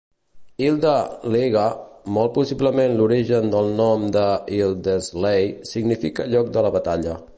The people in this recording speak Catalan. Hilde-Laege, molt possiblement l'origen del nom de Hildersley, significa lloc de la batalla.